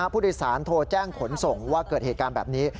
ผู้โดยสารโทรแจ้งขนส่งว่าเกิดเหตุการณ์แบบนี้